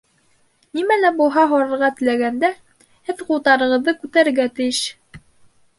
Нимә лә булһа һорарға теләгәндә, һеҙ ҡулдарығыҙҙы күтәрергә тейеш